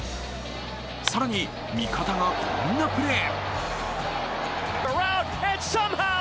更に、味方がこんなプレー。